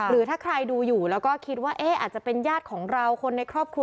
หรือถ้าใครดูอยู่แล้วก็คิดว่าอาจจะเป็นญาติของเราคนในครอบครัว